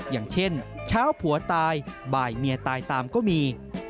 อย่างเช่นเช้าผัวตายบ่ายเมียตายตามก็มี